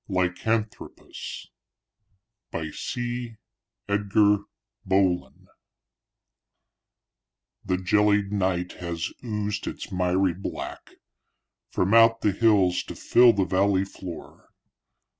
pgdp.net Lycanthropus By C. EDGAR BOLEN Â Â The jellied night has oozed its miry black Â Â Â Â From out the hills to fill the valley floor.